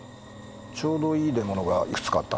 ちょうどいい出物がいくつかあったんでね。